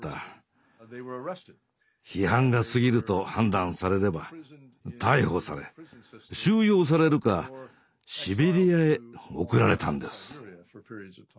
批判が過ぎると判断されれば逮捕され収容されるかシベリアへ送られたんです。